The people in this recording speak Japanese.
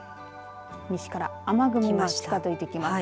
西から雨雲が近づいてきます。